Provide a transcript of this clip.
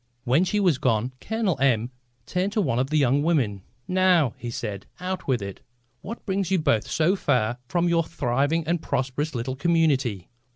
When she was gone Colonel M turned to one of the young women. "Now," he said, "out with it. What brings you both so far from your thriving and prosperous little community?"